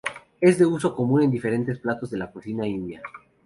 Es de uso común en diferentes platos de la cocina India.